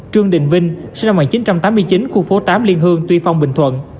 trương đình vinh sinh năm một nghìn chín trăm tám mươi chín khu phố tám liên hương tuy phong bình thuận